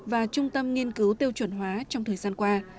và trung tâm nghiên cứu tiêu chuẩn hóa trong thời gian qua